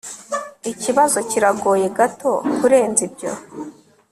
Ikibazo kiragoye gato kurenza ibyo